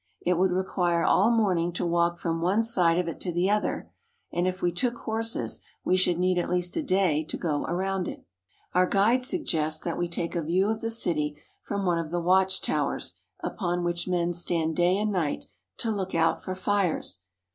It would require all morning to walk from one side of it to the other, and if we took horses we should need at least a day to go around it. Our guide suggests that we take a view of the city from one of the watch towers upon which men stand day and night to look out for fires.